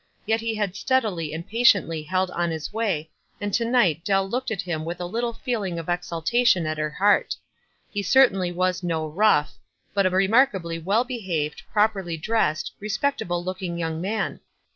Yet he had stead ily and patiently held on his way, and to night Dell looked at him with a little feeling of ex tiltation at her heart. He certainly was no "rough," but a remarkably well behaved, prop erly dressed, respectable looking young man.